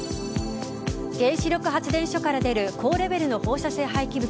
原子力発電所から出る高レベルの放射性廃棄物